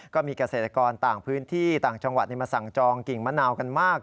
ก็มีเกษตรกรต่างพื้นที่ต่างจังหวัดมาสั่งจองกิ่งมะนาวกันมาก